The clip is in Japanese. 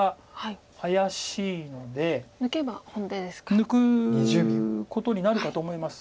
抜くことになるかと思います。